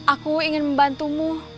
aku ingin membantumu